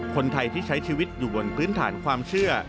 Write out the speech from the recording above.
คนไทยที่ใช้ชีวิตอยู่บนพื้นฐานความเชื่อ